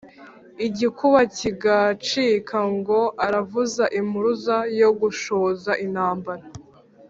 Igikuba kigacika, Ngo aravuza impuruza yo gushoza intambara